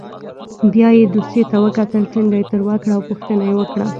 بیا یې دوسیې ته وکتل ټنډه یې تروه کړه او پوښتنه یې وکړه.